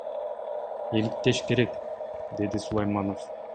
Иликтеш керек, — деди Сулайманов.